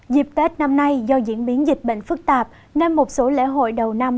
dịp tết năm nay do diễn biến dịch bệnh phức tạp nên một số lễ hội đầu năm